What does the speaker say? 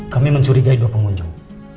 kami mencurigai dua pengunjung